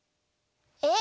えっ？